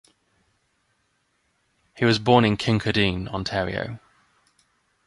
He was born in Kincardine, Ontario.